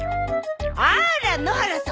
あら野原さん